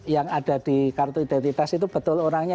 yang ada di kartu identitas itu betul orangnya